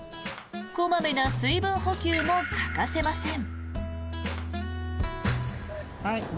小まめな水分補給も欠かせません。